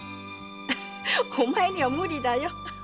お前には無理だよ！